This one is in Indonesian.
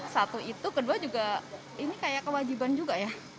satu itu kedua juga ini kayak kewajiban juga ya